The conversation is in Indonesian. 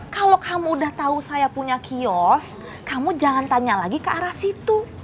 kalau kamu udah tahu saya punya kios kamu jangan tanya lagi ke arah situ